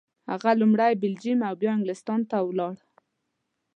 هغه لومړی بلجیم او بیا انګلستان ته ولاړ.